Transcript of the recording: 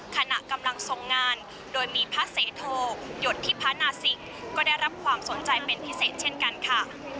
ขณะกำลังทรงงานโดยมีพระเสโทหยดที่พระนาศิกก็ได้รับความสนใจเป็นพิเศษเช่นกันค่ะ